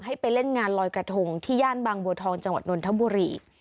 ไปเล่นงานลอยกระทงที่ย่านบางบัวทองจังหวัดนนทบุรี